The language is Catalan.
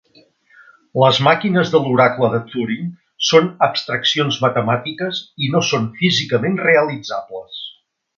Les màquines de l'oracle de Turing són abstraccions matemàtiques i no són físicament realitzables.